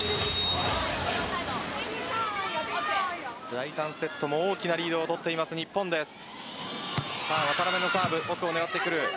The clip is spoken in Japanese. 第３セットも大きなリードを取っています日本です。